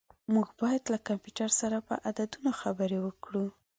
موږ باید له کمپیوټر سره په عددونو خبرې وکړو.